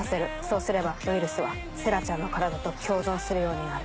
そうすればウイルスは星来ちゃんの体と共存するようになる。